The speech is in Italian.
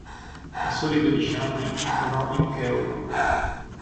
A soli dodici anni, suonò in "Kew.